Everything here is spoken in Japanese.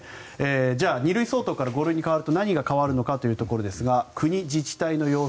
じゃあ、２類相当から５類に変わるとどうなるのかということですが国・自治体の要請